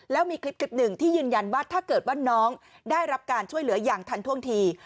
แล้วมีคลิปหนึ่งที่ยืนยันว่าถ้าเกิดว่าน้องได้รับการช่วยเหลืออย่างทันท่วงที